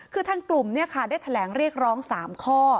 คือทางกลุ่มได้แถลงเรียกร้อง๓ข้อ